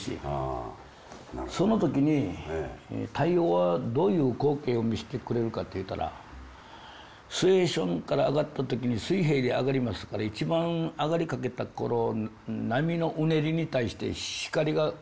その時に太陽はどういう光景を見せてくれるかというたら水平線から上がった時に水平で上がりますから一番上がりかけた頃波のうねりに対して光がバチッと当たりますね。